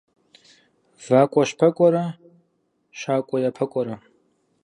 ВакӀуэщпэкӀурэ щакӀуэ япэкӀуэрэ.